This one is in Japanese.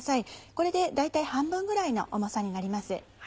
これで大体半分ぐらいの重さになります。